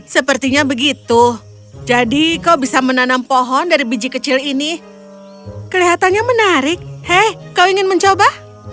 sepertinya begitu jadi kau bisa menanam pohon dari biji kecil ini kelihatannya menarik hei kau ingin mencoba